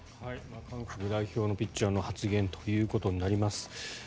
韓国代表のピッチャーの発言ということになります。